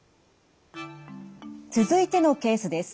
続いてのケースです。